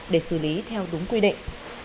để xử lý theo đúng quy định